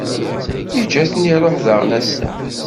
Iǧǧa-ten, iṛuḥ daɣen ass-a.